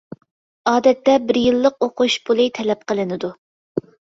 ئادەتتە بىر يىللىق ئوقۇش پۇلى تەلەپ قىلىنىدۇ.